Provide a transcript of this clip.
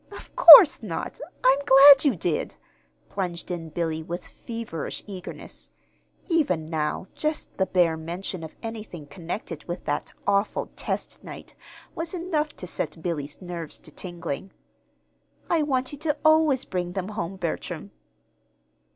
Of course not! I'm glad you did," plunged in Billy, with feverish eagerness. (Even now, just the bare mention of anything connected with that awful "test" night was enough to set Billy's nerves to tingling.) "I want you to always bring them home, Bertram."